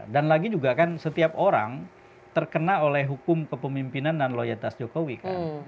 dan lagi juga kan setiap orang terkena oleh hukum kepemimpinan dan loyalitas jokowi kan